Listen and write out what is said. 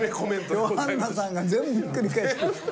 ヨハンナさんが全部ひっくり返して。